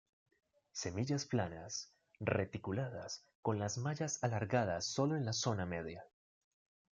Semillas planas, reticuladas, con las mallas alargadas solo en la zona media.